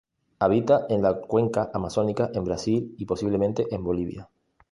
Habita en la cuenca amazónica en Brasil y posiblemente en Bolivia.